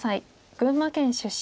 群馬県出身。